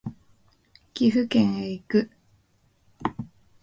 岐阜県へ行く